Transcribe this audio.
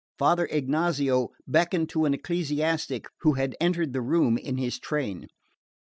Father Ignazio beckoned to an ecclesiastic who had entered the room in his train.